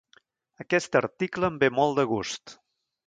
Aquest article em ve molt de gust.